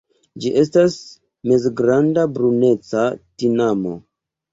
Ĝi estas mezgranda bruneca tinamo.